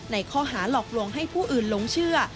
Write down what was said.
ในข้อหาหลอกลวงให้ผู้อื่นหลงเชื่อ